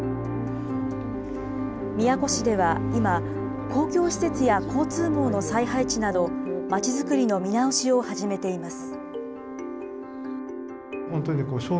宮古市では今、公共施設や交通網の再配置など、まちづくりの見直しを始めています。